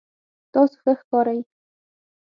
تاسو ښه ښکارئ